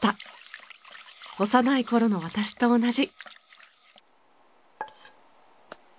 幼い頃の私と同じ。